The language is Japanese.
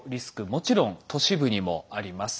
もちろん都市部にもあります。